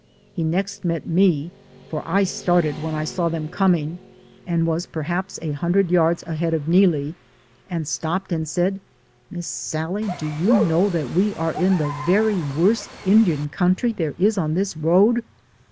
He next met me — for I started, when I saw them coming, and was perhaps a hundreds yards ahead of Neelie — and stopped and said, '*Miss Sallie, do you know that we are in the very worst Indian country there is on this road